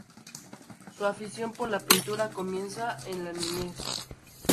Su afición por la pintura comienza en la niñez.